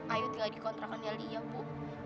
ayu tinggal di kontrakan dia lia bu